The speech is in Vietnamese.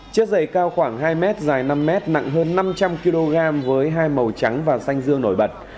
chiếc giày cao khoảng hai m dài năm m nặng hơn năm trăm linh kg với hai màu trắng và xanh dương nổi bật